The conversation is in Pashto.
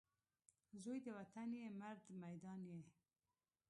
زوی د وطن یې ، مرد میدان یې